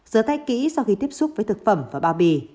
dơ tay kỹ sau khi tiếp xúc với thực phẩm và bao bì